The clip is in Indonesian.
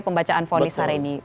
pembacaan fonis hari ini